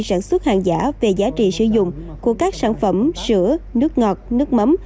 sản xuất hàng giả về giá trị sử dụng của các sản phẩm sữa nước ngọt nước mắm